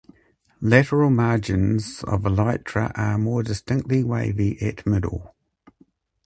Lateral margins of elytra are more distinctly wavy at middle.